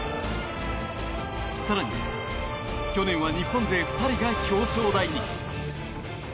更に去年は日本勢２人が表彰台に。